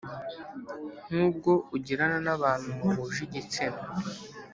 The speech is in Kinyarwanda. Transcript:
nk ubwo ugirana n abantu muhuje igitsina